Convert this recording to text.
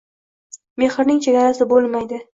Mehrning chegarasi bo‘lmaydi